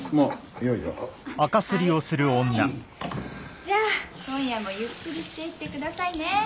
じゃあ今夜もゆっくりしていってくださいね。